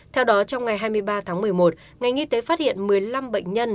theo đó trong ngày hai mươi ba tháng một mươi một ngành y tế phát hiện một mươi năm bệnh nhân